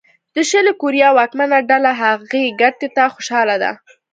د شلي کوریا واکمنه ډله هغې ګټې ته خوشاله ده.